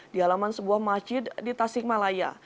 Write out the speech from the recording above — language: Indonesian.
di halaman sebuah masjid di tasikmalaya